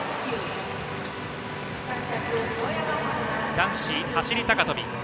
男子走り高跳び。